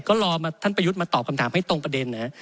ก็รอท่านประยุทธ์มาตอบคำถามให้ตรงประเด็นนะครับ